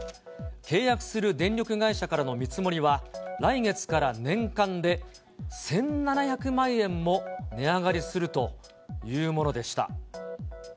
契約する電力会社からの見積もりは、来月から年間で１７００万円も値上がりするというものでした。